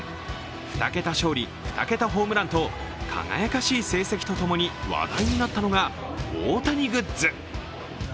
２桁勝利・２桁ホームランと輝かしい成績とともに話題となったのが大谷グッズ。